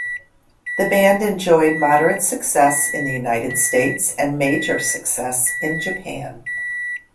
The band enjoyed moderate success in the United States, and major success in Japan.